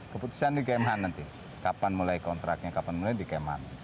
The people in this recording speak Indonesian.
keputusan di kmh nanti kapan mulai kontraknya kapan mulai di kemhan